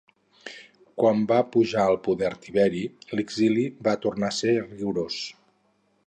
Quan va pujar al poder Tiberi, l'exili va tornar a ser rigorós.